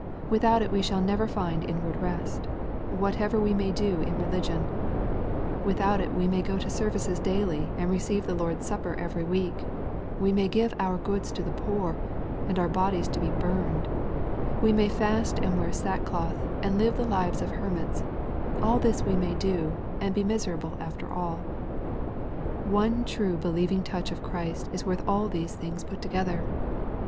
Without it we sliall never find inward rest, whatever we may do in religion. Without it we may go to services daily and receive the Lord's Supper every week, — we may give oui goods to the poor, and our bodies to be burned, — ^we may fast and wear sackcloth, and live the lives of hermits,— all this we may do, and be miserable after all* One true believing touch of Christ is worth all these things put together.